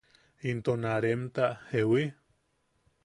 Into na remta ¿jewi?